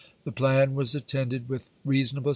The plan was attended with reasonable p t.